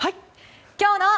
今日の。